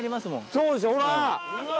そうでしょほら。